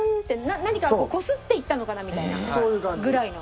何かこすっていったのかなみたいなぐらいの。